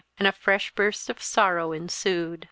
And a fresh burst of sorrow ensued.